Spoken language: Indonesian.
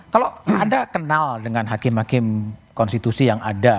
kalau anda kenal dengan hakim hakim konstitusi yang ada